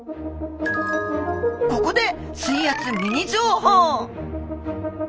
ここで水圧ミニ情報。